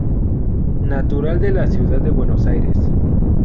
Natural de la ciudad de Buenos Aires.